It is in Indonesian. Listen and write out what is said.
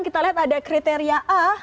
kita lihat ada kriteria a